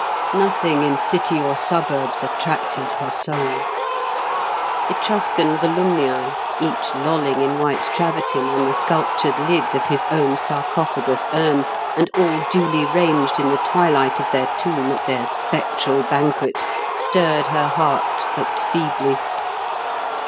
Nothing in city or suburbs attracted her soul. Etruscan Volumnii, each lolling in white travertine on the sculptured lid of his own sarcophagus urn, and all duly ranged in the twilight of their tomb at their spectral banquet, stirred her heart but feebly.